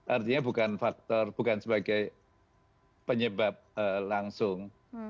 artinya bukan faktor bukan sebagai penyebab langsung